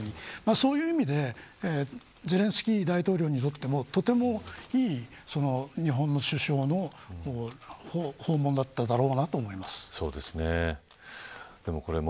そういう意味でゼレンスキー大統領にとってもとてもいい、日本の首相の訪問だっただろうなと思います。